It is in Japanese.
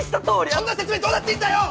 そんな説明どうだっていいんだよ！